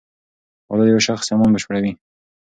واده د یو شخص ایمان بشپړوې.